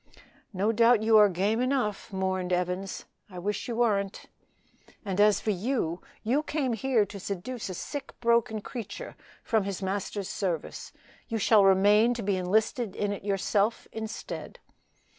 "No doubt you are game enough," mourned Evans; "I wish you wern't." "And as for you, you came here to seduce a sick, broken creature from his Master's service; you shall remain to be enlisted in it yourself instead."